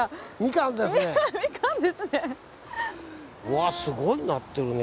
わっすごいなってるね